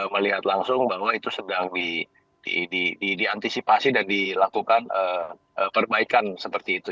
melihat langsung bahwa itu sedang diantisipasi dan dilakukan perbaikan seperti itu